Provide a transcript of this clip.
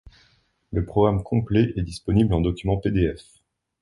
Le programme complet est disponible en document pdf.